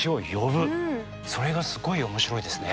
それがすごい面白いですね。